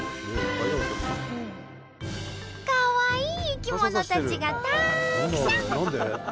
かわいい生き物たちがたくさん！